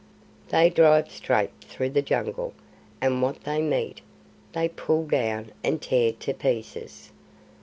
They drive straight through the Jungle, and what they meet they pull down and tear to pieces.